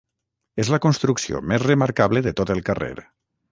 És la construcció més remarcable de tot el carrer.